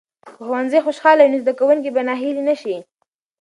که ښوونځي خوشاله وي، نو زده کوونکي به ناهیلي نه شي.